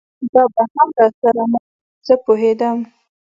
دا به هم را سره مله وي، زه پوهېدم.